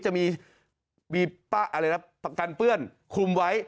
จะมีประกันเปื้อนคลุมไว้